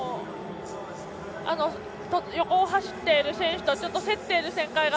横を走っている選手とちょっと競っている展開が。